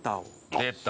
出た。